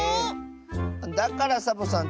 だからサボさん